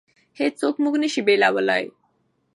هېڅوک موږ نشي بېلولی.